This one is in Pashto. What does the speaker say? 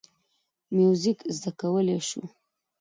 موزیک زده کولی شو.